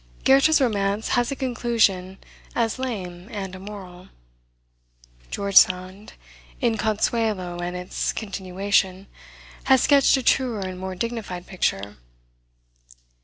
Goethe's romance has a conclusion as lame and immoral. George Sand, in Consuelo and its continuation, has sketched a truer and more dignified picture.